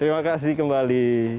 terima kasih kembali